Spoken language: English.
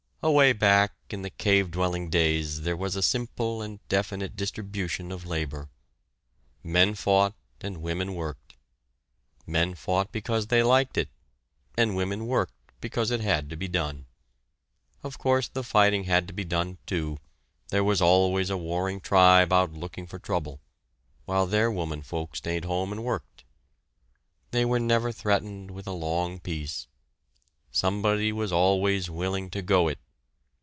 Away back in the cave dwelling days, there was a simple and definite distribution of labor. Men fought and women worked. Men fought because they liked it; and women worked because it had to be done. Of course the fighting had to be done too, there was always a warring tribe out looking for trouble, while their womenfolk stayed at home and worked. They were never threatened with a long peace. Somebody was always willing to go "It."